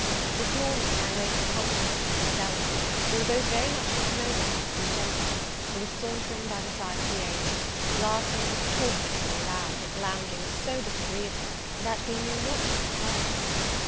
This morning, in my way to the pump room with Mrs. Selwyn, we were both very much incommoded by three gentlemen, who were sauntering by the side of the Avon, laughing and talking very loud, and lounging so disagreeably, that we knew not how to pass them.